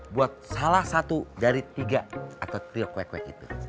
buat salah satu dari tiga atau triok kwek kwek itu